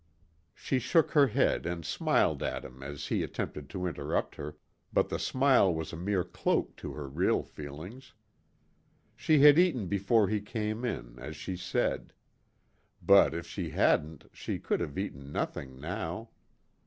She shook her head and smiled at him as he attempted to interrupt her, but the smile was a mere cloak to her real feelings. She had eaten before he came in, as she said. But if she hadn't she could have eaten nothing now.